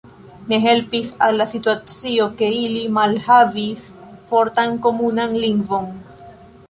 Ne helpis al la situacio, ke ili malhavis fortan komunan lingvon.